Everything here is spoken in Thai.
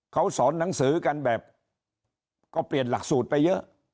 เขาสอนหนังสือกันแบบก็เปลี่ยนหลักสูตรไปเยอะ